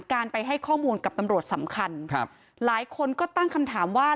การไปให้ข้อมูลกับตำรวจสำคัญครับหลายคนก็ตั้งคำถามว่า